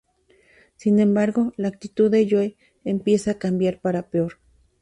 Sin embargo la actitud de Joe empieza a cambiar para peor.